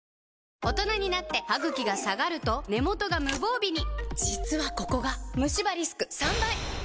大人になってハグキが下がると根元が無防備に実はここがムシ歯リスク３倍！